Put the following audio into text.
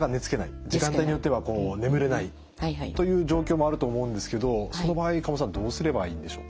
時間帯によっては眠れないという状況もあると思うんですけどその場合加茂さんどうすればいいんでしょうか？